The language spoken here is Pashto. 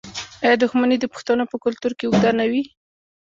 آیا دښمني د پښتنو په کلتور کې اوږده نه وي؟